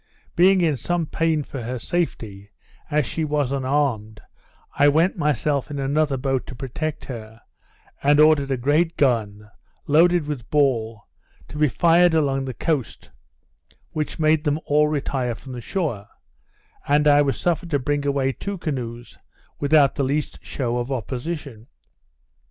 Being in some pain for her safety, as she was unarmed, I went myself in another boat to protect her, and ordered a great gun, loaded with ball, to be fired along the coast, which made them all retire from the shore, and I was suffered to bring away two canoes without the least shew of opposition.